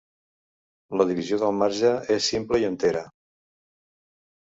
La divisió del marge és simple i entera.